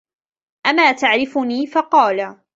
أَمَا تَعْرِفُنِي ؟ فَقَالَ